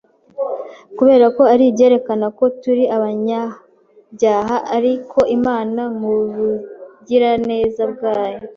kuberako ari ibyerekana ko turi abanyabyaha ariko Imana mu bugirareza bwayo